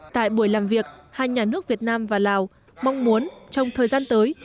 tại buổi làm việc hai nhà nước việt nam và lào mong muốn trong thời gian tới